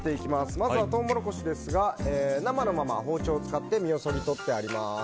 まずはトウモロコシですが生のまま包丁を使って実をそぎ取ってあります。